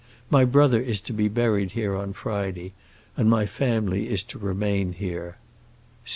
My brother is to be buried here on Friday, and my family is to remain here.